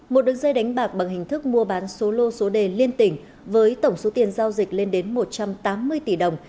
một đường dây đánh bạc bằng hình thức mua bán số lô số đề liên tỉnh với tổng số tiền giao dịch lên đến một trăm tám mươi tỷ đồng